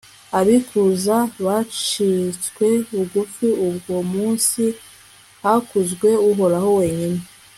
abikuza bacishwe bugufi: uwo munsi hakuzwe uhoraho wenyine,